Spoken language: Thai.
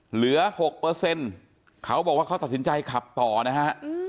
เหลือ๖เขาบอกว่าเขาตัดสินใจขับต่อนะฮะ